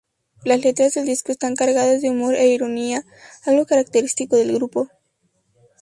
Las letras del disco están cargadas de humor e ironía, algo característico del grupo.